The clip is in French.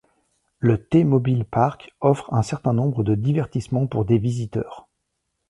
Le T-Mobile Park offre un certain nombre de divertissements pour des visiteurs.